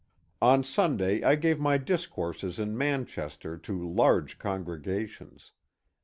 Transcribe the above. On Sunday I gave my discourses in Manchester to large congregations.